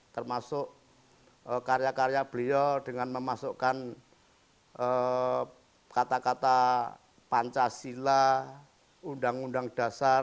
termasuk karya karya beliau dengan memasukkan kata kata pancasila undang undang dasar